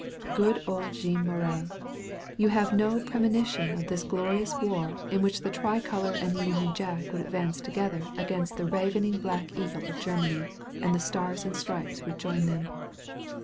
Good old Jean Morel ! You had no premonition of this glorious war' in which the Tricolor and the Union Jack would advance together against the ravening black eagle of Germany, and the Stars and Stripes would join them.